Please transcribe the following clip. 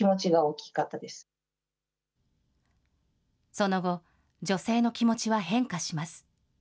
その後、女性の気持ちは変化します。